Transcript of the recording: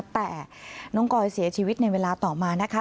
แต่น้องกอยเสียชีวิตในเวลาต่อมานะคะ